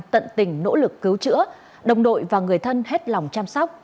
tận tình nỗ lực cứu chữa đồng đội và người thân hết lòng chăm sóc